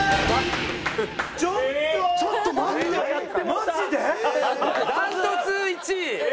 ちょっと待って。